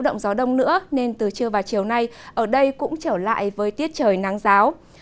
động gió đông nữa nên từ trưa và chiều nay ở đây cũng trở lại với tiết trời nắng giáo